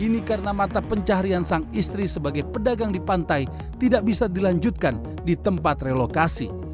ini karena mata pencarian sang istri sebagai pedagang di pantai tidak bisa dilanjutkan di tempat relokasi